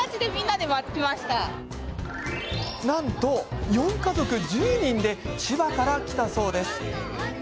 なんと、４家族１０人で千葉から来たそうです。